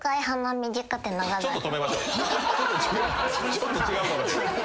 ちょっと違うかもしれん。